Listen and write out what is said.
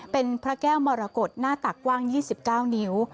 เป็นพระแก้วมรกฏหน้าตักกว้าง๒๙นิ้ว